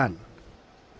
ada yang berkata